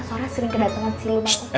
soalnya sering kedatengan siluman ular